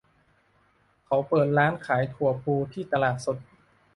เขาเปิดร้านขายถั่วพูที่ตลาดสด